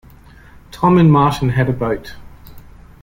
Tom and Martin had a boat.